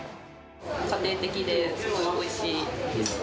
家庭的ですごくおいしいです。